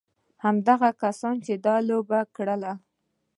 هماغه کسانو چې دا لوبه کړې.